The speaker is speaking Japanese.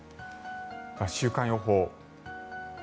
週間予報。